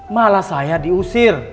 malah saya diusir